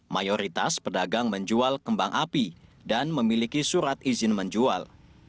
mayoritas pedagang menjual kembang api dan memiliki surat izin menjual